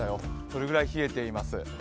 それぐらい冷えています。